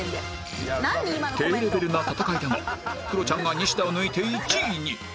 低レベルな戦いだがクロちゃんがニシダを抜いて１位に